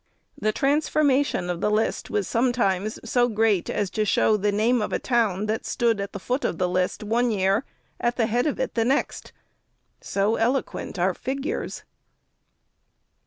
The transformation of the list was sometimes so great as to show the name of a town that stood at the foot of the list one year, at the head of it the next. So eloquent are figures.